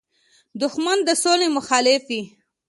دښمن د سولې مخالف وي